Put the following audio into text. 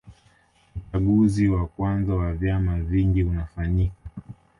Uchaguzi wa kwanza wa vyama vingi unafanyika